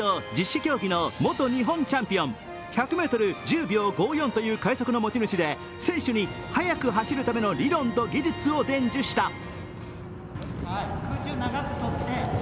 陸上・十種競技の元日本チャンピオン１００ｍ、１０秒５４という快足の持ち主で選手に、速く走るための理論と技術を伝授した。